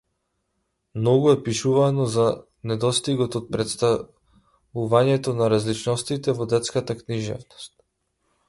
Многу е пишувано за недостигот од претставување на различностите во детската книжевност.